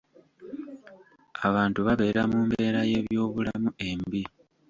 Abantu babeera mu mbeera y'ebyobulamu embi.